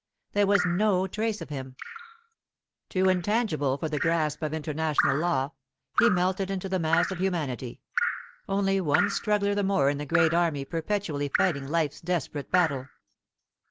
There was no trace of him: too intangible for the grasp of international law, he melted into the mass of humanity, only one struggler the more in the great army perpetually fighting life's desperate battle.